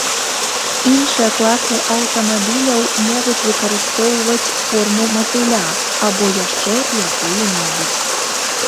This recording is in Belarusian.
Іншыя класы аўтамабіляў могуць выкарыстоўваць форму матыля або яшчэ якую-небудзь.